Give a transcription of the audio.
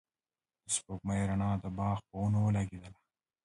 د سپوږمۍ رڼا د باغ په ونو لګېدله.